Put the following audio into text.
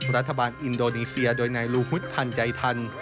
รัฐบาลอินโดนีเซียโดยนายลูฮุตพันธ์ใจทัน